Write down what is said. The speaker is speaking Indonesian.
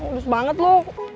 udus banget lu